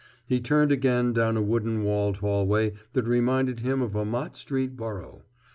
He turned again down a wooden walled hallway that reminded him of a Mott Street burrow.